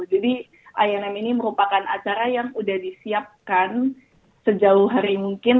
jadi a m ini merupakan acara yang sudah disiapkan sejauh hari mungkin